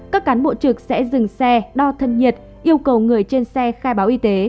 các cán bộ trực sẽ dừng xe đo thân nhiệt yêu cầu người trên xe khai báo y tế